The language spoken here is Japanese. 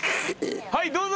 はいどうぞ！